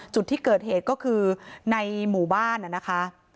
จุดที่เกิดเหตุก็คือในหมู่บ้านนะคะ